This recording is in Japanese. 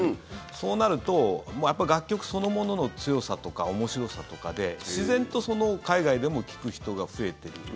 そうなると楽曲そのものの強さとか面白さとかで自然と海外でも聴く人が増えている。